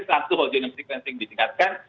satu whole genome sequencing ditingkatkan